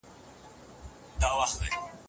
دی یوازې له خپلو خاطرو سره و.